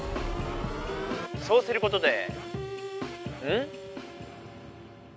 そうすることでん？